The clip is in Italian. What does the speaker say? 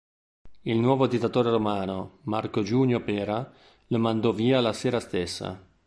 Il nuovo dittatore romano, Marco Giunio Pera, lo mandò via la sera stessa.